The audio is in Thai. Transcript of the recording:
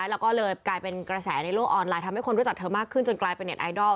แล้วก็เลยกลายเป็นกระแสในโลกออนไลน์ทำให้คนรู้จักเธอมากขึ้นจนกลายเป็นเน็ตไอดอล